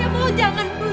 jangan bu jangan